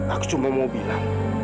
aku cuma mau bilang